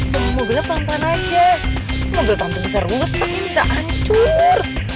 sampai nanti aja mobil pantai bisa rusak bisa hancur